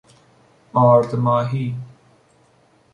آرد ماهی